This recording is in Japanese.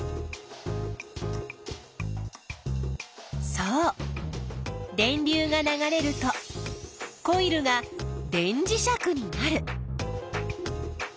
そう電流が流れるとコイルが電磁石になる。